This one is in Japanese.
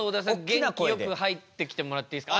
げんきよく入ってきてもらっていいですか？